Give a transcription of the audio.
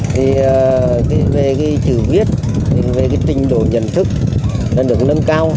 thì về cái chữ viết về cái tình độ nhận thức đã được nâng cao